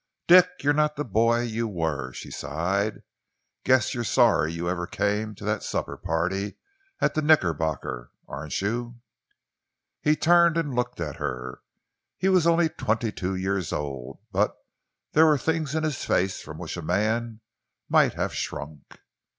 "Dick, you're not the boy you were," she sighed. "Guess you're sorry you ever came to that supper party at the Knickerbocker, aren't you?" He turned and looked at her. He was only twenty two years old, but there were things in his face from which a man might have shrunk.